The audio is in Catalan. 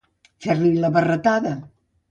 Fer-li barretada.